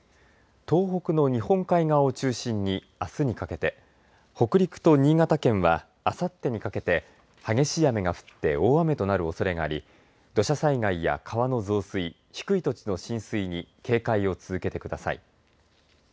東北の日本海側を中心にあすにかけて、北陸と新潟県はあさってにかけて激しい雨が降って大雨となるおそれがあり土砂災害や川の増水低い土地の浸水に警戒を続けてください。